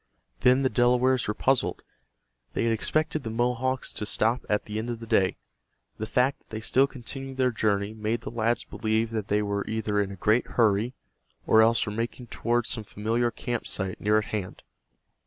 Then the Delawares were puzzled. They had expected the Mohawks to stop at the end of the day. The fact that they still continued their journey made the lads believe that they were either in a great hurry, or else were making toward some familiar camp site near at hand.